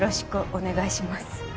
お願いします